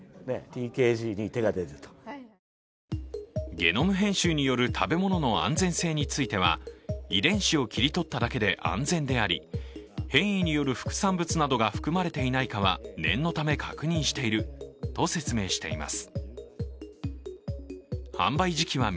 ゲノム編集による食べ物の安全性については遺伝子を切り取っただけで安全であり、変異による副産物などが含まれていないかは念のため確認していると説明しています。